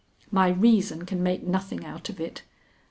My reason can make nothing out of it.